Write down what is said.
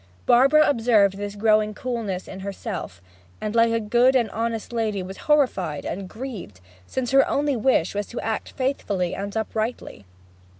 Barbara observed this growing coolness in herself; and like a good and honest lady was horrified and grieved, since her only wish was to act faithfully and uprightly.